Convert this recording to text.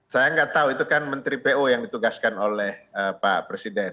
saya nggak tahu itu kan menteri pu yang ditugaskan oleh pak presiden